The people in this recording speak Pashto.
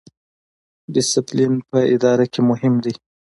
ډیسپلین په اداره کې مهم دی